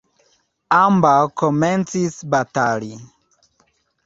Ambaŭ komencis batali.